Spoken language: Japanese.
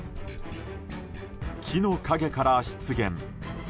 木の陰から出現。